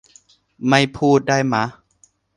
ไม่พูดได้มะ